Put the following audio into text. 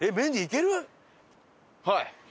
はい！